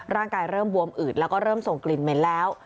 ร่างกายเริ่มบวมอืดแล้วก็เริ่มส่งกลิ่นเหม็นแล้ว